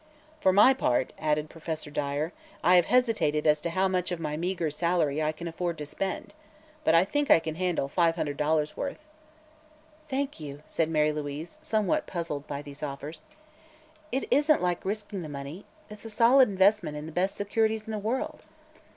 "For my part," added Professor Dyer, "I have hesitated as to how much of my meagre salary I can afford to spend. But I think I can handle five hundred dollars' worth." "Thank you," said Mary Louise, somewhat puzzled by these offers. "It isn't like risking the money; it's a solid investment in the best securities in the world."